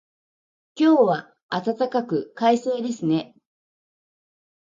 今日は暖かく、快晴ですね。